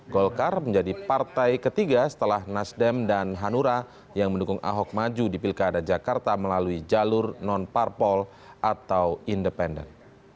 golkar menjadi partai ketiga setelah nasdem dan hanura yang mendukung ahok maju di pilkada jakarta melalui jalur non parpol atau independen